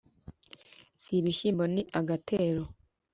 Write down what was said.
si ibishyimbo ni agatero